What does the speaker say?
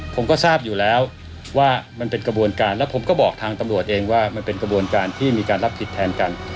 ผมก็ทราบอยู่แล้วว่ามันเป็นกระบวนการแล้วผมก็บอกทางตำรวจเองว่ามันเป็นกระบวนการที่มีการรับผิดแทนกัน